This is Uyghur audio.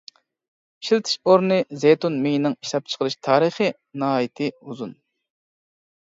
ئىشلىتىش ئورنى زەيتۇن مېيىنىڭ ئىشلەپچىقىرىش تارىخى ناھايىتى ئۇزۇن.